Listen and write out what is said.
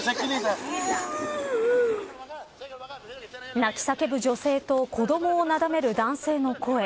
泣き叫ぶ女性と子どもをなだめる男性の声。